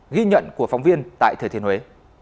ghi nhận của phóng viên tại thừa thiên huế